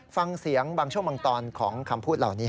ฟังเสียงบางช่วงบางตอนของคำพูดเหล่านี้